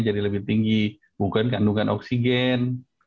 jadi lebih tinggi bukan kandungan oksigen